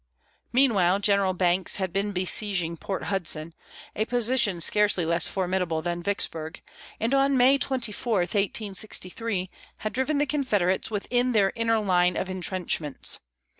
Meanwhile, General Banks had been besieging Port Hudson, a position scarcely less formidable than Vicksburg, and on May 24, 1863, had driven the Confederates within their inner line of intrenchments.